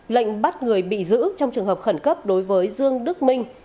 lệnh bắt người bị giữ trong trường hợp khẩn cấp đối với dương đức minh